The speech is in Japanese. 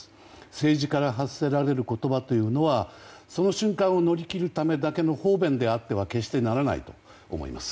政治家から発せられる言葉というのはその瞬間を乗り切るためだけの方便であっては決してならないと思います。